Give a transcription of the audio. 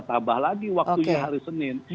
tambah lagi waktunya hari senin